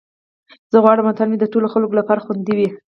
زه غواړم وطن مې د ټولو خلکو لپاره خوندي وي.